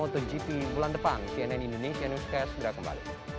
terima kasih ya